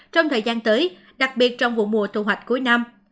trong thời gian tới đặc biệt trong vụ mùa thu hoạch cuối năm